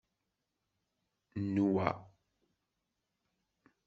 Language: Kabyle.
Nwa